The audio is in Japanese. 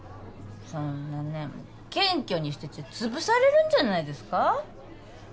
そんなね謙虚にしてちゃ潰されるんじゃないですか？